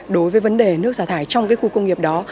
đối với vấn đề nước xả thải trong cái khu công nghiệp đó